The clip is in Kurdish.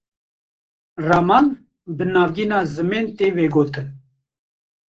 Raman, bi navgîna zimên tê vegotin